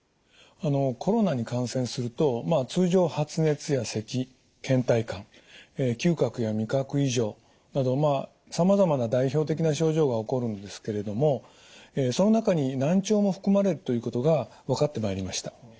コロナに感染すると通常発熱やせきけん怠感嗅覚や味覚異常などさまざまな代表的な症状が起こるんですけれどもその中に難聴も含まれるということが分かってまいりました。